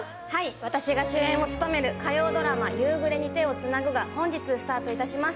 私が主演をつとめる火曜ドラマ「夕暮れに、手をつなぐ」が本日スタートいたします。